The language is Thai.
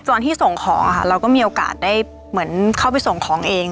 ตอนที่ส่งของค่ะเราก็มีโอกาสได้เหมือนเข้าไปส่งของเอง